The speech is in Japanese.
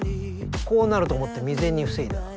こうなると思って未然に防いだ。